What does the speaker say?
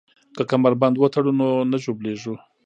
که کمربند وتړو نو نه ژوبلیږو.